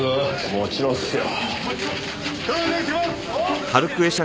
もちろんっすよ。